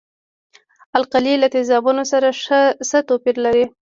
القلي له تیزابو سره څه توپیر لري.